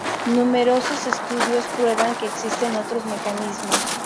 Numerosos estudios prueban que existen otros mecanismos.